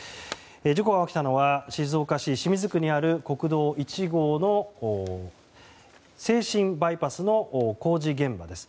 事故が起きたのは静岡市清水区にある国道１号の静清バイパスの工事現場です。